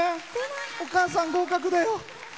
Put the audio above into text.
お母さん合格だよ。